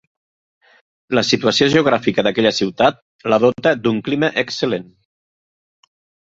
La situació geogràfica d'aquella ciutat la dota d'un clima excel·lent.